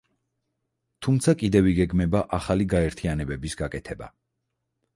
თუმცა კიდევ იგეგმება ახლი გაერთიანებების გაკეთება.